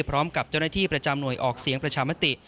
พร้อมกับเจ้าหน้าที่ประจำหน่วยออกเสียงประชามติ